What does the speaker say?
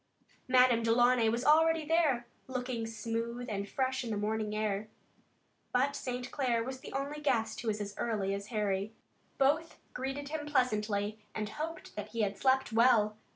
Madame Delaunay was already there, still looking smooth and fresh in the morning air. But St. Clair was the only guest who was as early as Harry. Both greeted him pleasantly and hoped that he had slept well.